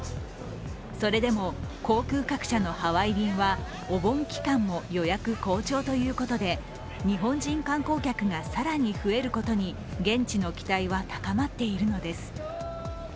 それでも航空各社のハワイ便はお盆期間も予約好調ということで日本人観光客が更に増えることに現地の期待は高まっているのです。